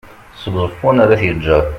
seg uẓeffun ar at yeğğer